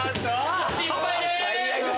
失敗です。